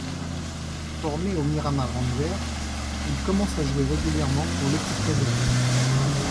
Formé au Miramar Rangers, il commence à jouer régulièrement pour l'équipe réserve.